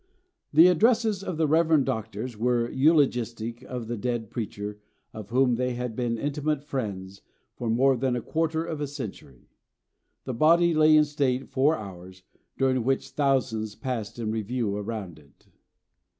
The addresses of the Reverend Doctors were eulogistic of the dead preacher, of whom they had been intimate friends for more than a quarter of a century. The body lay in state four hours, during which thousands passed in review around it.